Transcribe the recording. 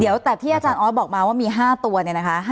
เดี๋ยวแต่ที่อาจารย์ออสบอกมาว่ามี๕ตัวเนี่ยนะคะ